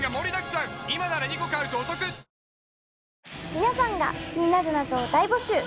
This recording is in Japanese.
皆さんが気になる謎を大募集。